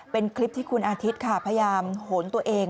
เป็นคลิปที่คุณอาทิตย์ค่ะพยายามโหนตัวเอง